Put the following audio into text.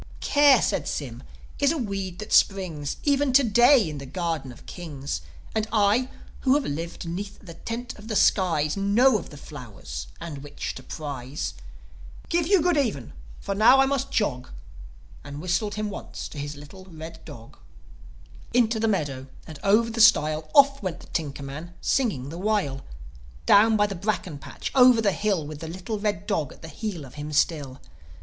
.." "Care," said Sym, "is a weed that springs Even to day in the gardens of kings. And I, who have lived 'neath the tent of the skies, Know of the flowers, and which to prize ... Give you good even! For now I must jog." And he whistled him once to his little red dog. Into the meadow and over the stile, Off went the tinker man, singing the while; Down by the bracken patch, over the hill, With the little red dog at the heel of him still.